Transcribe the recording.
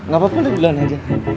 gapapa lu duluan aja